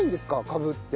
カブって。